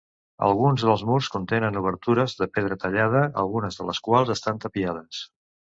Alguns dels murs contenen obertures de pedra tallada, algunes de les quals estan tapiades.